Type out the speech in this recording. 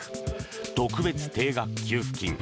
特別定額給付金。